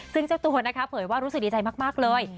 ซึ่งเจ้าตัวนะคะเผยว่ารู้สึกดีใจมากเลย